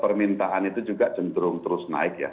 permintaan itu juga cenderung terus naik ya